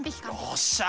よっしゃ！